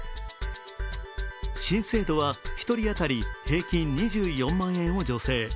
新制度は１人当たり平均２４万円を助成。